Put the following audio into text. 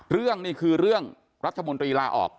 นี่คือเรื่องรัฐมนตรีลาออก